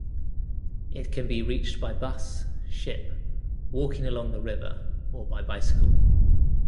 It can be reached by bus, ship, walking along the river or by bicycle.